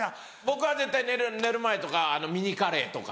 僕は絶対寝る前とかミニカレーとか。